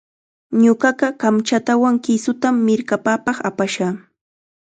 Ñuqaqa kamchatawan kisutam mirkapapaq apashaq.